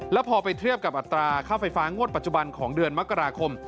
แล้วพอไปเทียบกับอัตราค่าไฟฟ้างวดปัจจุบันของเดือนมกราคม